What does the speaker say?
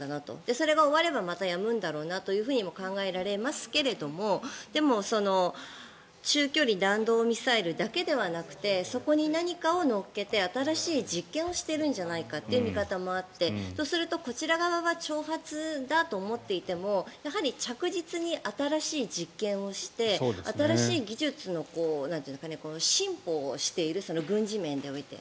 それが終わればまたやむんだろうなとも考えられますけれどもでも中距離弾道ミサイルだけではなくてそこに何かを載せて新しい実験をしているんじゃないかという見方もあって、そうするとこちら側は挑発だと思っていてもやはり着実に新しい実験をして新しい技術の進歩をしている軍事面において。